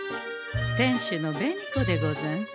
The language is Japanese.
店主の紅子でござんす。